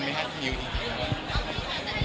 ก็เลยเอาข้าวเหนียวมะม่วงมาปากเทียน